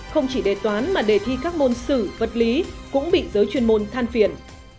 không chỉ đề toán mà đề thi các môn sử vật lý cũng bị giới chuyên môn than phiền